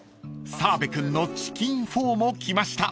［澤部君のチキンフォーも来ました］